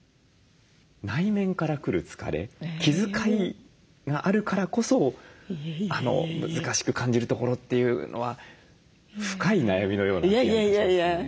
内面から来る疲れ気遣いがあるからこそ難しく感じるところというのは深い悩みのような気がしますね。